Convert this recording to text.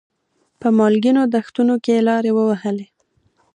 په مالګینو دښتونو کې لارې ووهلې.